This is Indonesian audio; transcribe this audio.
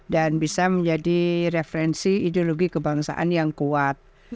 bisa menjadi referensi ideologi kebangsaan yang kuat